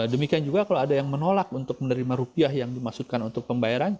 demikian juga kalau ada yang menolak untuk menerima rupiah yang dimaksudkan untuk pembayaran